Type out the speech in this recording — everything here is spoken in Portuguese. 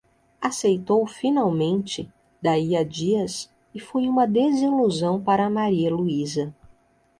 Aceitou finalmente, daí a dias, e foi uma desilusão para Maria Luísa.